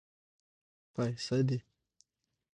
پايڅۀ دې.